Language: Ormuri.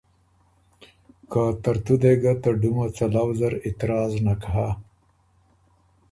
که ترتُو دې ګه ته ډُمه څلؤ زر اعتراض نک هۀ۔